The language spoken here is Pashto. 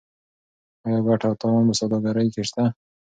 آیا ګټه او تاوان په سوداګرۍ کې شته؟